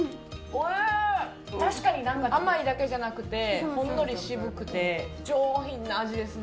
確かに甘いだけじゃなくてほんのり渋くて、上品な味ですね。